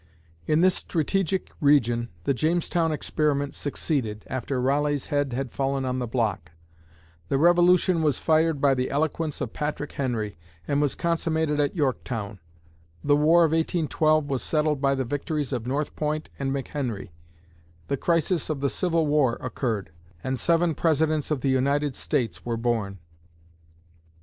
In this strategic region, the Jamestown experiment succeeded, after Raleigh's head had fallen on the block; the Revolution was fired by the eloquence of Patrick Henry, and was consummated at Yorktown; the War of 1812 was settled by the victories of North Point and McHenry; the crisis of the Civil War occurred; and seven Presidents of the United States were born.